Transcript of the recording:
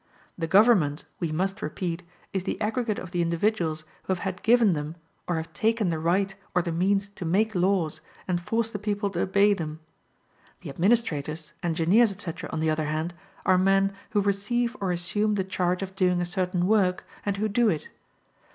The government, we must repeat, is the aggregate of the individuals who have had given them, or have taken the right or the means to make laws, and force the people to obey them. The administrators, engineers, etc., on the other hand, are men who receive or assume the charge of doing a certain work, and who do it.